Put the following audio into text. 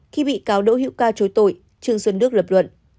khi bị cáo đỗ hữu ca chối tội trương xuân đức lập luận